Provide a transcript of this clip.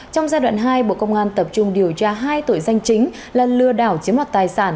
trong giai đoạn hai bộ công an tập trung điều tra hai tội danh chính là lừa đảo chiếm mặt tài sản